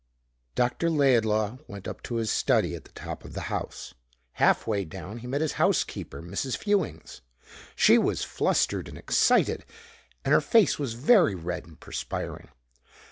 Dr. Laidlaw went up to his study at the top of the house. Half way down he met his housekeeper, Mrs. Fewings. She was flustered and excited, and her face was very red and perspiring.